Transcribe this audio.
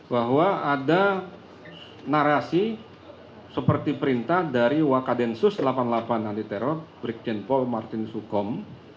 bahwa ada narasi seperti perintah dari wakadensus delapan puluh delapan anti teror brigjen paul martin sukom